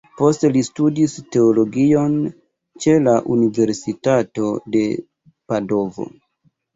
Poste li studis teologion ĉe la universitato de Padovo.